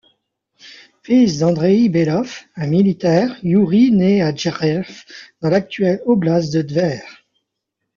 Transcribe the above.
Fils d'Andreï Belov, un militaire, Youri naît à Rjev, dans l'actuelle oblast de Tver.